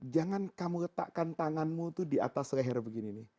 jangan kamu letakkan tanganmu di atas leher begini